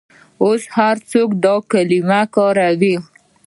اوس هر څوک دا کلمه کاروي.